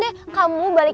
eh udah gak